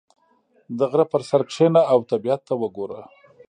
• د غره پر سر کښېنه او طبیعت ته وګوره.